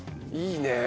いいね。